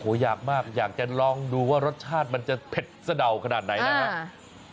อยากมากอยากจะลองดูว่ารสชาติมันจะเผ็ดสะเดาขนาดไหนนะครับ